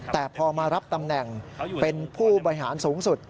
แต่พอมารับตำแหน่งเป็นผู้บริหารสูงสุด